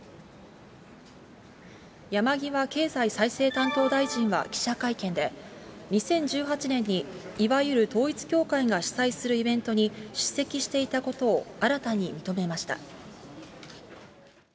山際経済再生担当大臣は記者会見で、２０１８年にいわゆる統一教会が主催するイベントに出席していたことを新たに認めました。